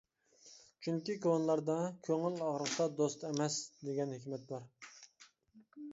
چۈنكى كونىلاردا «كۆڭۈل ئاغرىتقان دوست ئەمەس» دېگەن ھېكمەت بار.